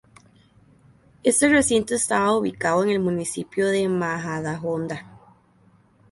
Este recinto estaba ubicado en el municipio de Majadahonda.